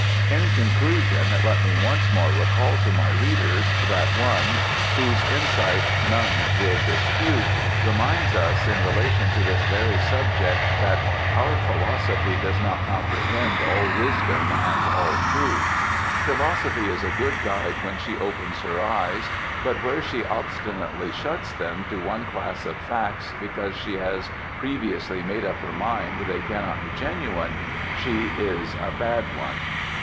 In conclusion, let me once more recall to my readers that one, whose insight none will dispute, reminds us, in relation to this very subject, that "our philosophy," does not comprehend all wisdom and all truth. Philosophy is a good guide when she opens her eyes, but where she obstinately shuts them to one class of facts because she has previously made up her mind they cannot be genuine, she is a bad one.